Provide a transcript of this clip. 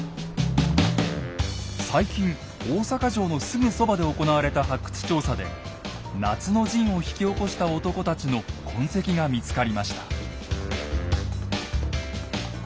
最近大阪城のすぐそばで行われた発掘調査で夏の陣を引き起こした男たちの痕跡が見つかりました。